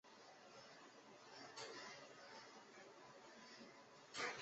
他的党籍是共和党。